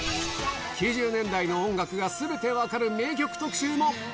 ９０年代の音楽が全て分かる名曲特集も！